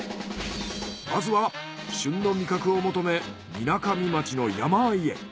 まずは旬の味覚を求めみなかみ町の山あいへ。